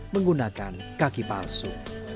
menggunakan kaki palsu